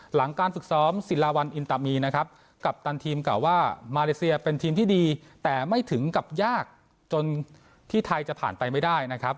หลังการฝึกซ้อมศิลาวันอินตามีนะครับกัปตันทีมกล่าวว่ามาเลเซียเป็นทีมที่ดีแต่ไม่ถึงกับยากจนที่ไทยจะผ่านไปไม่ได้นะครับ